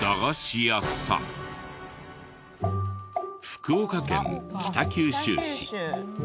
福岡県北九州市。